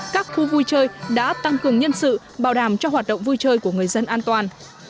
các khu vui chơi đã tăng cường nhân sự bảo đảm cho hoạt động vui chơi của người dân an toàn